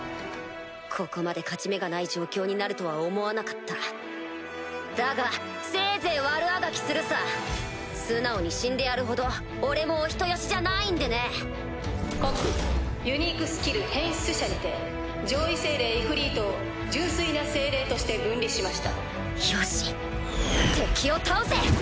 ここまで勝ち目がない状況になるとは思わだがせいぜい悪あがきするさ素直に死んでやるほど俺もお人よしじゃな告ユニークスキル変質者にて上位精霊イフリートを純粋な精霊として分離しましたよし敵を倒せ！